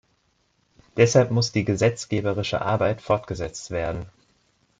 Deshalb muss die gesetzgeberische Arbeit fortgesetzt werden.